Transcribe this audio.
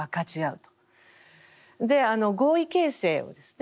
合意形成をですね